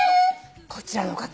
こちらの方